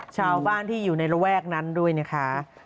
ชาวบ้านที่อยู่ในระแวกนั้นด้วยนะคะ